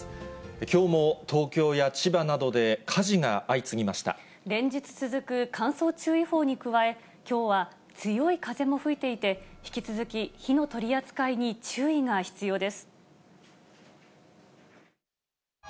きょうも東京や千葉などで、連日続く乾燥注意報に加え、きょうは強い風も吹いていて、引き続き火の取り扱いに注意が必要です。